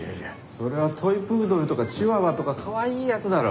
それはトイプードルとかチワワとかかわいいやつだろ。